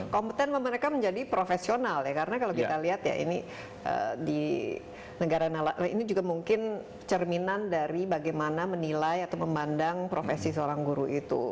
kompeten mereka menjadi profesional ya karena kalau kita lihat ya ini di negara ini juga mungkin cerminan dari bagaimana menilai atau memandang profesi seorang guru itu